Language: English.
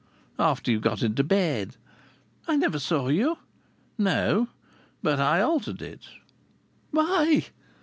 "After you got into bed." "I never saw you." "No. But I altered it."